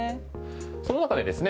その中でですね